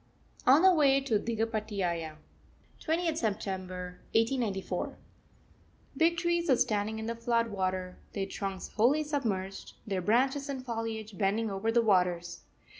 ON THE WAY TO DIGHAPATIAYA, 20th September 1894. Big trees are standing in the flood water, their trunks wholly submerged, their branches and foliage bending over the waters.